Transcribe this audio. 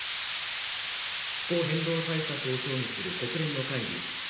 気候変動対策を協議する国連の会議